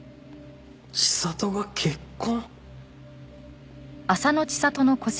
知里が結婚？